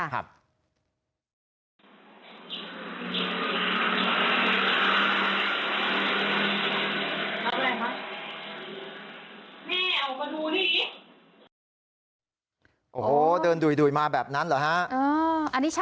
โอ้โหเดินดุยมาแบบนั้นเหรอฮะ